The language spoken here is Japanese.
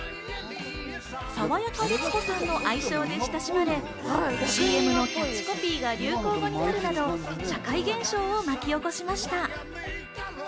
「さわやか律子さん」の愛称で親しまれ、ＣＭのキャッチコピーが流行語になるなど社会現象を巻き起こしました。